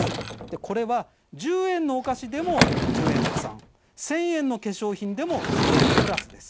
これは１０円のお菓子でも１０円加算１０００円の化粧品でも１０円プラスです。